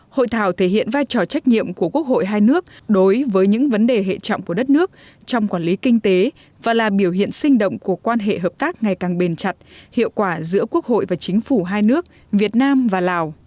hội thảo thể hiện vai trò trách nhiệm của quốc hội hai nước đối với những vấn đề hệ trọng của đất nước trong quản lý kinh tế và là biểu hiện sinh động của quan hệ hợp tác ngày càng bền chặt hiệu quả giữa quốc hội và chính phủ hai nước việt nam và lào